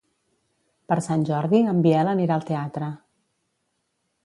Per Sant Jordi en Biel anirà al teatre.